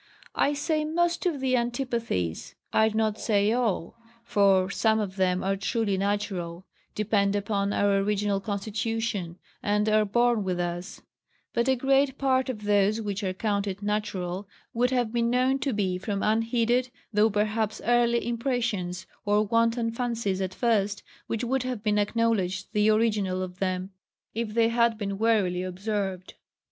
I say most of the antipathies, I do not say all; for some of them are truly natural, depend upon our original constitution, and are born with us; but a great part of those which are counted natural, would have been known to be from unheeded, though perhaps early, impressions, or wanton fancies at first, which would have been acknowledged the original of them, if they had been warily observed.